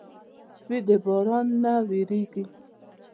سپي د باران نه وېرېږي.